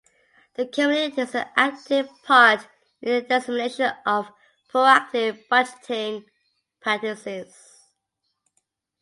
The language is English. The committee takes an active part in the dissemination of proactive budgeting practices.